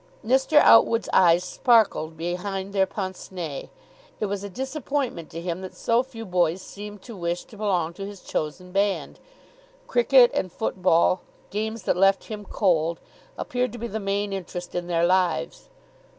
Mr. Outwood's eyes sparkled behind their pince nez. It was a disappointment to him that so few boys seemed to wish to belong to his chosen band. Cricket and football, games that left him cold, appeared to be the main interest in their lives.